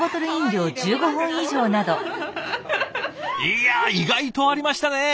いや意外とありましたね！